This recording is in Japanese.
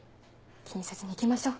気にせずに行きましょう。